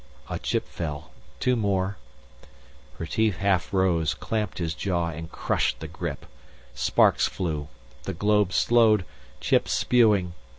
A chip fell, two more.... Retief half rose, clamped his jaw and crushed the grip. Sparks flew. The globe slowed, chips spewing.